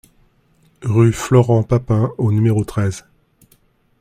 Rue Florent Papin au numéro treize